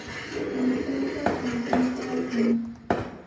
Taytaapa trankanqa rakumi.